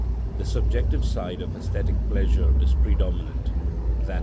the subjective side of æsthetic pleasure is predominant, _i.